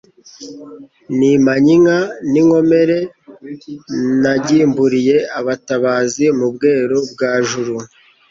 nimanye inka n'inkomere nagimbuliye abatabazi mu Bweru bwa Juru